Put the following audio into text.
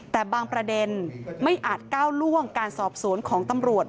แต่บางประเด็นไม่อาจก้าวล่วงการสอบสวนของตำรวจ